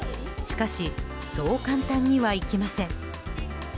しかしそう簡単にはいきません。